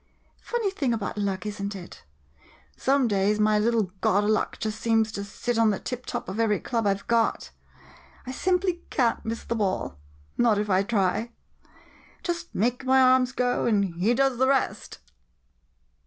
Funny thing about luck, is n't it? Some days, my little God o' Luck just seems to sit on the tip top of every club I 've got. I simply can't miss the ball — not if I try. Just make my arms go, and he does the rest!